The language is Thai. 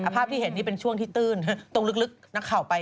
ภาพที่เห็นนี่เป็นช่วงที่ตื้นตรงลึกนักข่าวไป